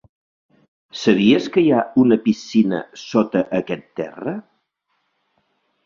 Sabies que hi ha una piscina sota aquest terra?